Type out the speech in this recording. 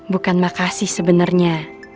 bukan makasih sebenernya